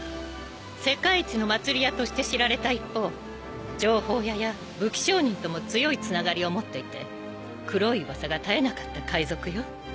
世界一の祭り屋として知られた一方情報屋や武器商人とも強いつながりを持っていて黒い噂が絶えなかった海賊よ。